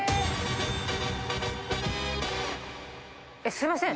すいません。